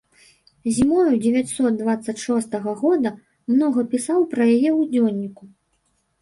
Зімою дзевяцьсот дваццаць шостага года многа пісаў пра яе ў дзённіку.